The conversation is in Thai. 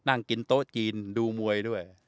นั่งกินโต๊ะจีนดูมวยด้วย